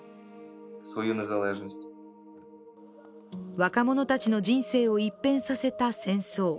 若者たちの人生を一変させた戦争。